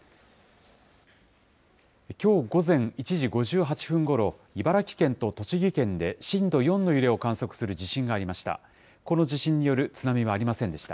きょう午前１時５８分ごろ、茨城県と栃木県で震度４の揺れを観測する地震がありました。